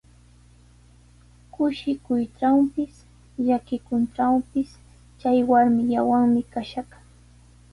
Kushikuytrawpis, llakikuytrawpis chay warmillawanmi kashaq.